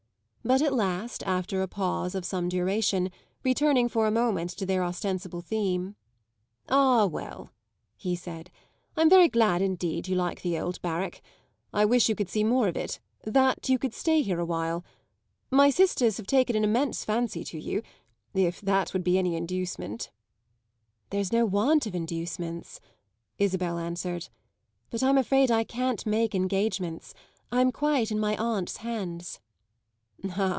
But at last, after a pause of some duration, returning for a moment to their ostensible theme, "Ah, well," he said, "I'm very glad indeed you like the old barrack. I wish you could see more of it that you could stay here a while. My sisters have taken an immense fancy to you if that would be any inducement." "There's no want of inducements," Isabel answered; "but I'm afraid I can't make engagements. I'm quite in my aunt's hands."